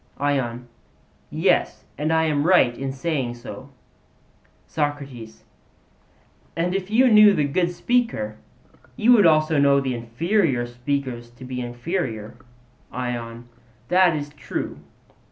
ION: Yes; and I am right in saying so. SOCRATES: And if you knew the good speaker, you would also know the inferior speakers to be inferior? ION: That is true.